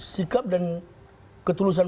sikap dan ketulusan